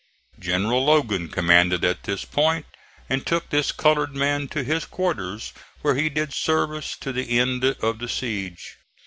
General Logan commanded at this point and took this colored man to his quarters, where he did service to the end of the siege.